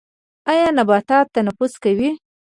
ایا نباتات تنفس کوي؟